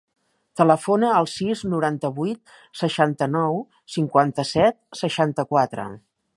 Telefona al sis, noranta-vuit, seixanta-nou, cinquanta-set, seixanta-quatre.